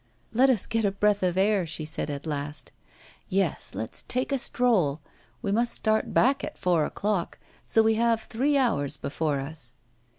'Let us get a breath of air,' she said at last. 'Yes, let's take a stroll. We must start back at four o'clock; so we have three hours before us.